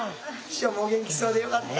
師匠もお元気そうでよかった。